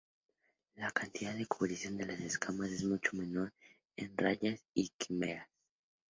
La cantidad de cubrición de las escamas es mucho menor en rayas y quimeras.